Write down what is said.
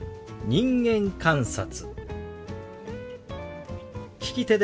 「人間観察」。